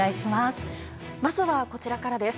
まずはこちらからです。